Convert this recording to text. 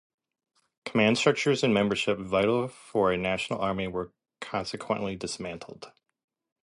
Command structures and membership vital for a national army were consequently dismantled.